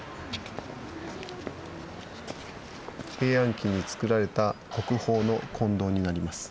平安期につくられた国宝の金堂になります。